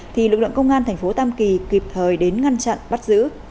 thì lực lượng công an tp tam kỳ kịp thời đến ngăn chặn bắt giữ